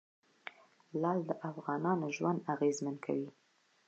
لعل د افغانانو ژوند اغېزمن کوي.